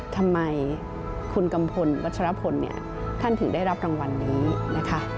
ทำไมคุณกัมพลวัชรพลเนี่ยท่านถึงได้รับรางวัลนี้นะคะ